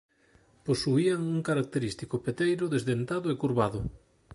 Posuían un característico peteiro desdentado e curvado.